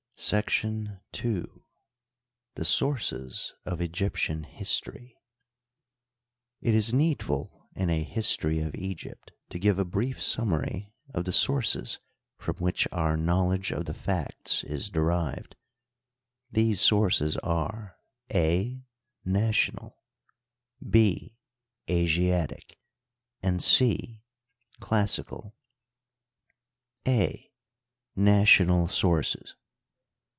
§ 2. The Sources of Egyptian History, It is needful in a history of Egypt to give a brief sum mary of the sources from which our knowledge of the facts is derived. These sources are: a. National; b. Astatic / and c. Classical, a. National Sources.